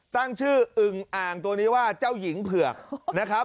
ตั้งชื่ออึงอ่างตัวนี้ว่าเจ้าหญิงเผือกนะครับ